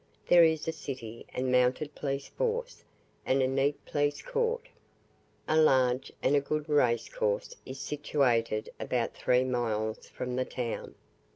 There is a city and mounted police force, and a neat police court. A large and good race course is situated about three miles from the town.